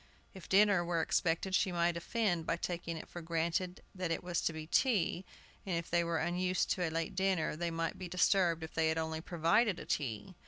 If dinner were expected she might offend by taking it for granted that it was to be "tea," and if they were unused to a late dinner they might be disturbed if they had only provided a "tea."